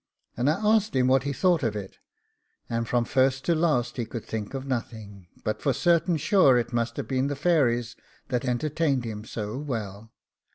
And I asked him what he thought of it; and from first to last he could think of nothing, but for certain sure it must have been the fairies that entertained him so well.